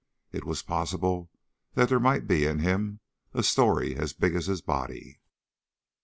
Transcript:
It was possible that there might be in him a story as big as his body.